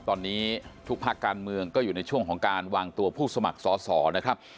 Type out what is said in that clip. ตอนนี้ทุกภาคการเมืองก็อยู่ในช่วงของการวางตัวผู้สมัครสอสอนะครับ